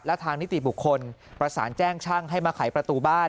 และทางนิติบุคคลประสานแจ้งช่างให้มาไขประตูบ้าน